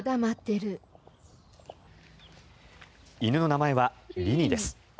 犬の名前はリニです。